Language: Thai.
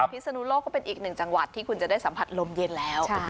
พิศนุโลกก็เป็นอีกหนึ่งจังหวัดที่คุณจะได้สัมผัสลมเย็นแล้ว